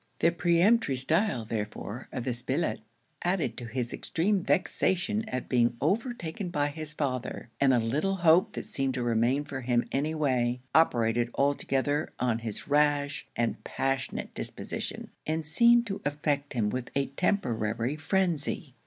The peremptory stile, therefore, of this billet, added to his extreme vexation at being overtaken by his father, and the little hope that seemed to remain for him any way, operated altogether on his rash and passionate disposition, and seemed to affect him with a temporary phrenzy.